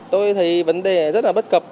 tôi thấy vấn đề rất là bất cập